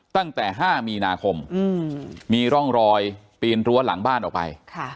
ตั้งแต่๕มีนาคมมีร่องรอยปีนรั้วหลังบ้านออกไป